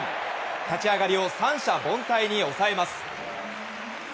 立ち上がりを三者凡退に抑えます。